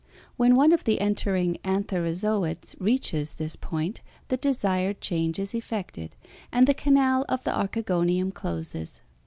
When one of the entering ántherozòids reaches this point the desired change is effected, and the canal of the archegònium closes.